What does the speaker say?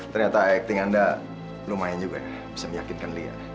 ternyata akting anda lumayan juga ya bisa meyakinkan lia